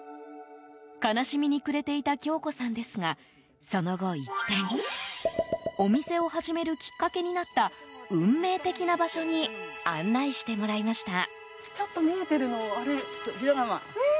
悲しみに暮れていた京子さんですがその後一転お店を始めるきっかけになった運命的な場所に案内してもらいました。